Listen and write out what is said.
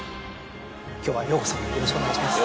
今日はようこそよろしくお願いします。